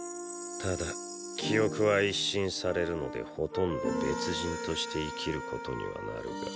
ただ記憶は一新されるのでほとんど別人として生きることにはなるが。